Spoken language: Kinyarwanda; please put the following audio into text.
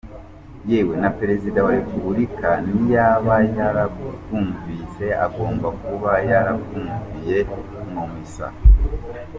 Yewe na Perezida wa Republika niba yarabwumvise agomba kuba yarabwumviye mu misa.